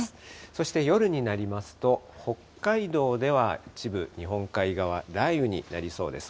そして夜になりますと、北海道では一部日本海側、雷雨になりそうです。